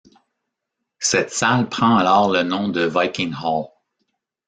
Cette salle prend alors le nom de Viking Hall.